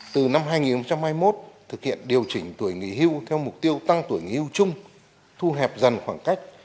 từ năm hai nghìn hai mươi một thực hiện điều chỉnh tuổi nghỉ hưu theo mục tiêu tăng tuổi nghỉ hưu chung thu hẹp dần khoảng cách